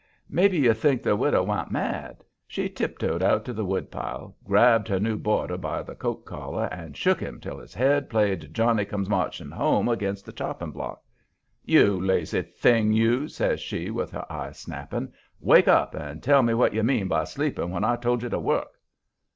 Maybe you think the widow wa'n't mad. She tip toed out to the wood pile, grabbed her new boarder by the coat collar and shook him till his head played "Johnny Comes Marching Home" against the chopping block. "You lazy thing, you!" says she, with her eyes snapping. "Wake up and tell me what you mean by sleeping when I told you to work."